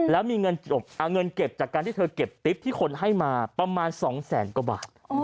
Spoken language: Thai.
แล้วมีเงินเก็บจากการที่เธอเก็บติ๊บที่คนให้มาประมาณ๒แสนกว่าบาท